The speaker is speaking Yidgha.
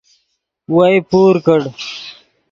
وئے پور کڑ